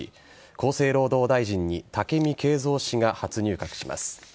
厚生労働大臣に武見敬三氏が初入閣します。